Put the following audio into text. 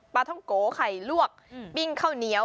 ท่องโกไข่ลวกปิ้งข้าวเหนียว